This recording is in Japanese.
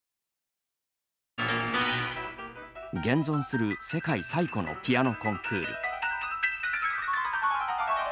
現存する、世界最古のピアノコンクール。